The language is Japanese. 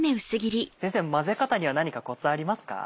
先生混ぜ方には何かコツありますか？